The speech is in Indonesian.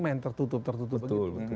main tertutup tertutup gitu